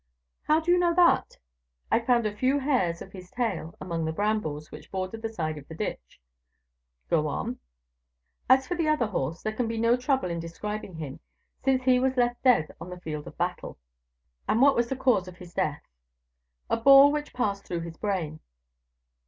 "How do you know that?" "I found a few hairs of his tail among the brambles which bordered the sides of the ditch." "Go on." "As for the other horse, there can be no trouble in describing him, since he was left dead on the field of battle." "What was the cause of his death?" "A ball which had passed through his brain."